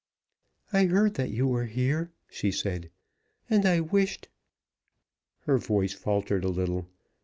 "I heard that you were here," she said, "and I wished " Her voice faltered a little.